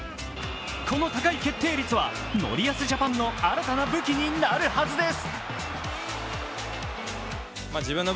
この高い決定率は森保ジャパンの新たな武器になるはずです。